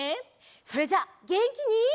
それじゃあげんきに。